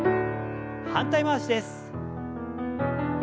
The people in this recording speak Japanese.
反対回しです。